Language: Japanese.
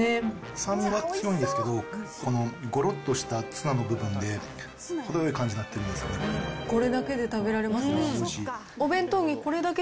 酸味は強いんですけど、このごろっとしたツナの部分で、程よい感じになってるんですよね、これ。